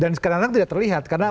dan sekarang tidak terlihat karena